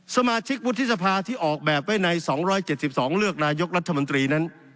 สมาชิกวุฒิสภาที่ออกแบบไว้ใน๒๗๒เลือกนายกรัฐมนตรีนั้น